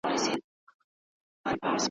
د یوه چا په وجود کې راټول شوی وي